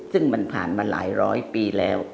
ซึ่งมันผ่านมาหลายร้อยปีแล้ว